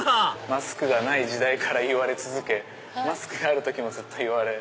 マスクがない時代から言われ続けマスクがある時もずっと言われ。